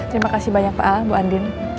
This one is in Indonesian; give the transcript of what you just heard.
terima kasih banyak pak bu andin